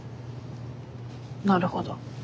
なるほど。